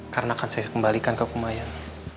karena akan saya kembalikan ke pemayang